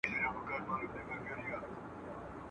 د دې مظلوم قام د ژغورني ..